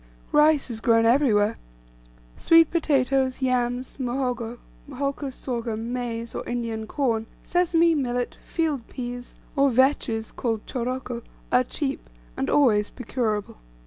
Rice is grown everywhere; sweet potatoes, yams, muhogo, holcus sorghum, maize, or Indian corn, sesame, millet, field peas, or vetches, called choroko, are cheap, and always procurable.